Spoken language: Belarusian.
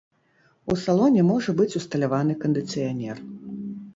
У салоне можа быць усталяваны кандыцыянер.